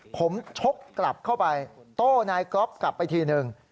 ผมชกกลับเข้าไปโต้นายก๊อฟกลับไปทีนึง